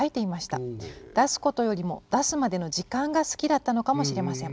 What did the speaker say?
出すことよりも出すまでの時間が好きだったのかもしれません。